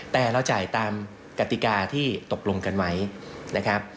แต่เราจ่ายตามกติกาที่ตกลงกันไว้นะครับ